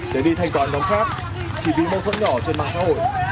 để đi thành toàn nhóm khác thì bị mâu thuẫn nhỏ trên mạng xã hội